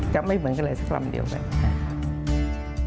จะไม่เหมือนกันเลยสักลำเดียวแบบนี้